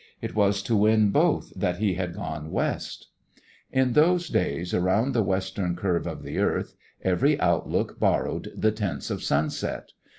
It was to win both that he had come West. In those days, around the western curve of the earth, every outlook borrowed the tints of sunset.